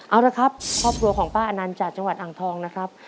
เอาละครับครอบครัวของป้าอนันต์จากจังหวัดอ่างทองนะครับ